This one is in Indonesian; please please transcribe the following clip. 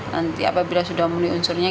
nanti apabila sudah memenuhi unsurnya